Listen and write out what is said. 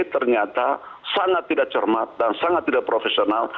ternyata sangat tidak cermat dan sangat tidak profesional